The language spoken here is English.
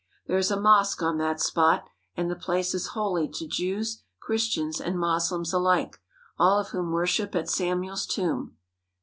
There is a mosque on that spot and the place is holy to Jews, Christians, and Moslems alike, all of whom worship at Samuel's tomb.